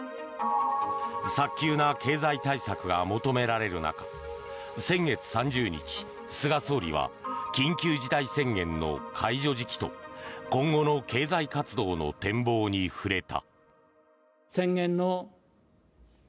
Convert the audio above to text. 早急な経済対策が求められる中先月３０日菅総理は緊急事態宣言の解除時期と今後の経済活動の展望に触れた。